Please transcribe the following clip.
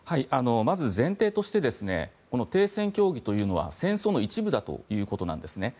まず、前提として停戦協議というのは戦争の一部だということです。